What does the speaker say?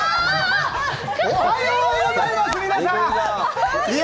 おはようございますっ！